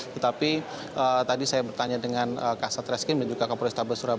tetapi tadi saya bertanya dengan ksat reskin dan juga kapolri stabel surabaya